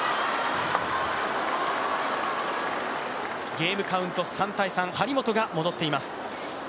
ゲームカウント３−３、張本が戻っています。